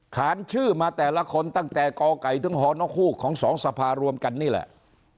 ขานชื่อมาแต่ละคนตั้งแต่กไก่ถึงหอนกฮูกของสองสภารวมกันนี่แหละ